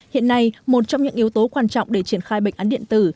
hiện nay một trong những yếu tố quan trọng để triển khai bệnh án điện tử